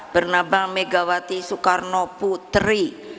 bernama megawati soekarno putri